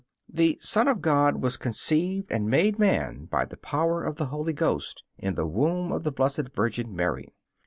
The Son of God was conceived and made man by the power of the Holy Ghost, in the womb of the Blessed Virgin Mary.